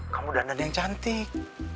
kamu dandan yang cantik